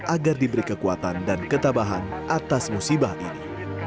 agar diberi kekuatan dan ketabahan atas musibah ini